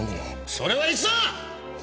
それはいつだ？